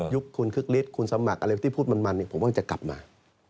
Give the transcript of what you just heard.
ยุคคุณคึกฤทธิ์คุณสมัครอะไรที่พูดมันผมว่าจะกลับมา